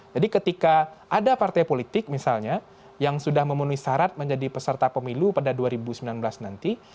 jadi ketika ada partai politik misalnya yang sudah memenuhi syarat menjadi peserta pemilu pada dua ribu sembilan belas nanti